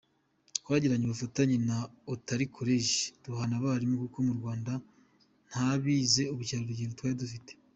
Twagiranye ubufatanye na Utali College, duhana abarimu, kuko mu Rwanda ntabize ubukerarugendo twari dufite.